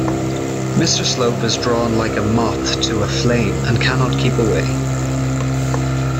Mr Slope is drawn like a moth to a flame and cannot keep away.